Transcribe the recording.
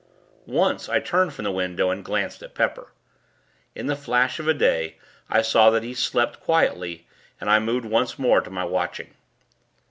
Once, I turned from the window, and glanced at Pepper. In the flash of a day, I saw that he slept, quietly, and I moved once more to my watching.